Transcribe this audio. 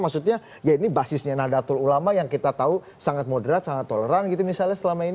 maksudnya ya ini basisnya nadatul ulama yang kita tahu sangat moderat sangat toleran gitu misalnya selama ini